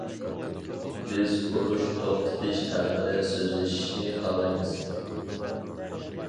بىز ئۇرۇش توختىتىش ھەققىدە سۆزلىشىشنى خالايمىز.